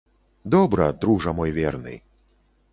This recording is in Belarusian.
Добра, дружа мой верны!